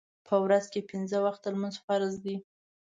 په ورځ کې پنځه وخته لمونځ فرض دی.